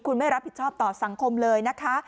คุณไม่รับผิดชอบต่อสังคมเลยนะคะ